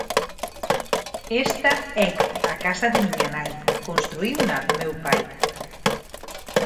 Esta é a casa da miña nai, construíuna meu pai.